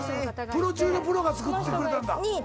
プロ中のプロが作ってくれた。